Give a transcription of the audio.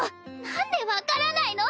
なんで分からないの？